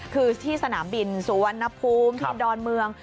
คือที่สนามบินสุวรรณภูมิที่ดอนเมือง